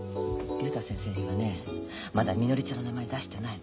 竜太先生にはねまだみのりちゃんの名前出してないの。